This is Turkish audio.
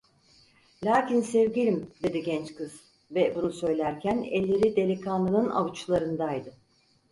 "Lakin sevgilim!" dedi genç kız ve bunu söylerken elleri delikanlının avuçlarındaydı.